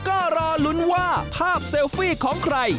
ก็รอลุ้นว่าภาพเซลฟี่ของใคร